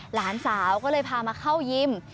หลานสาวก็เลยพามาเข้ายิม